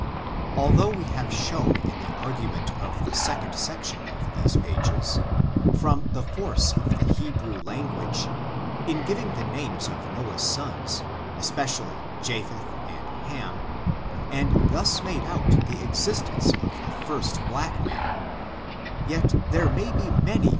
Although we have shown in the argument of the second sec tion of these pages, from the force of the Hebrew language, in giving the names of Noah's sons, espe cially Japheth and Haniy and thus made out the ex istence of the first black man, yet there may be many ^^^t^0^ %#« ^k^iMi^^i^^ r